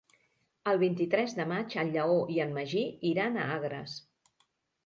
El vint-i-tres de maig en Lleó i en Magí iran a Agres.